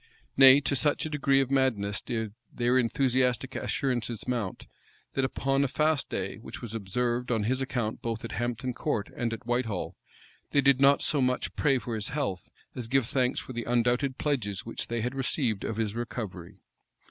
(*) Nay, to such a degree of madness did their enthusiastic assurances mount, that, upon a fast day, which was observed on his account both at Hampton Court and at Whitehall, they did not so much pray for his health, as give thanks for the undoubted pledges which they had received of his recovery.